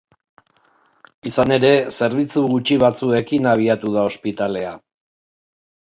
Izan ere, zerbitzu gutxi batzuekin abiatu da ospitalea.